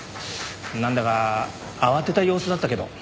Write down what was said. なんだか慌てた様子だったけど。